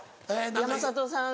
山里さん。